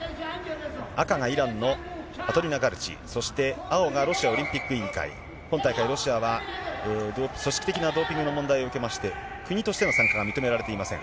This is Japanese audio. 赤がイランのアトリナガルチ、そして青がロシアオリンピック委員会、今大会、ロシアは、組織的なドーピングの問題を受けまして、国としての参加が認められていません。